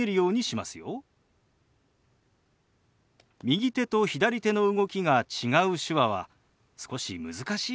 右手と左手の動きが違う手話は少し難しいかもしれませんね。